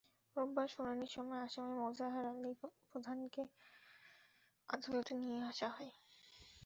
রোববার শুনানির সময় আসামি মোজাহার আলী প্রধানকে আদালতে নিয়ে আসা হয়।